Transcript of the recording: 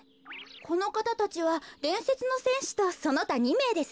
このかたたちはでんせつのせんしとそのた２めいですよ。